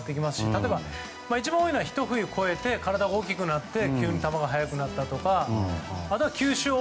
例えば、一番多いのは一冬越えて体が大きくなって急に球が速くなったとかあとは球種。